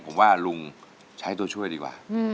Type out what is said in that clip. ผมว่าลุงใช้ตัวช่วยดีกว่า